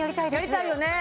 やりたいよね